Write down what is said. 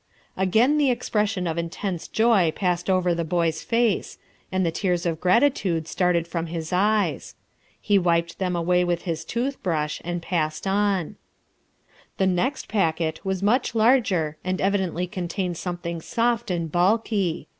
Again the expression of intense joy passed over the boy's face, and the tears of gratitude started from his eyes. He wiped them away with his tooth brush and passed on. The next packet was much larger and evidently contained something soft and bulky.